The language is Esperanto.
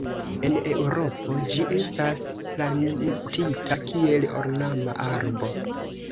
En Eŭropo ĝi estas plantita kiel ornama arbo.